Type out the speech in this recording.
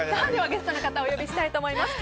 ゲストの方お呼びしたいと思います。